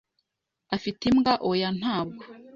"Afite imbwa?" "Oya, ntabwo."